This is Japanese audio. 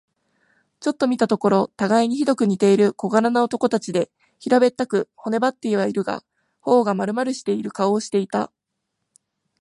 ちょっと見たところ、たがいにひどく似ている小柄な男たちで、平べったく、骨ばってはいるが、頬がまるまるしている顔をしていた。